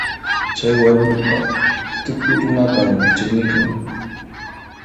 Chay warmiqa tukuy runatan chiqnikun.